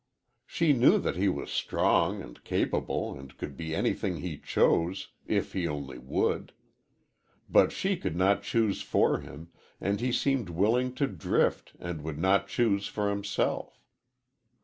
She knew that he was strong and capable and could be anything he chose, if he only would. But she could not choose for him, and he seemed willing to drift and would not choose for himself.